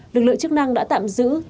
lực lượng chức năng đã tạm giữ